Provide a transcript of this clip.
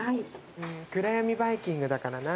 くらやみバイキングだからな。